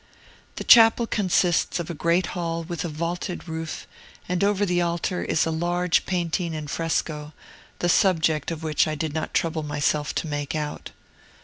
The chapel consists of a great hall with a vaulted roof, and over the altar is a large painting in fresco, the subject of which I did not trouble myself to make out.